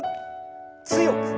強く。